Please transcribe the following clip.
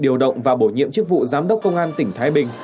điều động và bổ nhiệm chức vụ giám đốc công an tỉnh thái bình